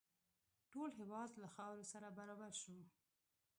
ټول هېواد له خاورو سره برابر شو.